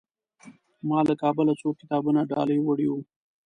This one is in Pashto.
ما له کابله څو کتابونه ډالۍ وړي وو.